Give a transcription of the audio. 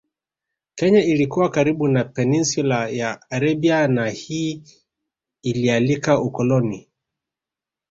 Kenya ilikuwa karibu na Peninsula ya Arabia na hii ilialika ukoloni